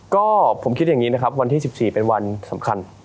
ก็ผมคิดอย่างนี้นะครับวันที่๑๔เป็นวันสำคัญ